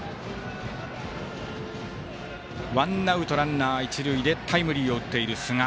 ワンアウト、ランナー、一塁でタイムリーを打っている寿賀。